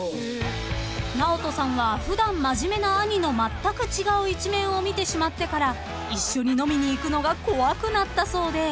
［ＮＡＯＴＯさんは普段真面目な兄のまったく違う一面を見てしまってから一緒に飲みに行くのが怖くなったそうで］